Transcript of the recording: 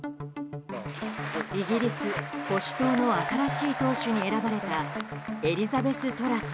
イギリス保守党の新しい党首に選ばれたエリザベス・トラス